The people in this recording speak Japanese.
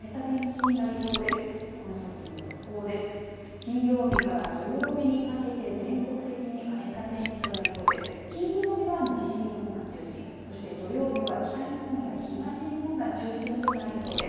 金曜日から土曜日にかけて全国的に荒れた天気となりそうです。